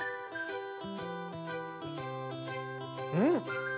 うん！